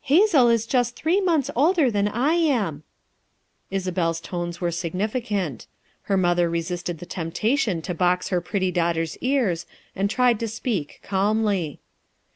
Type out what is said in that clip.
"Hazel is just three months older than I am," Isabel's tones were significant. Her mother resisted the temptation to box her pretty daughter's ears and tried to speak calmly.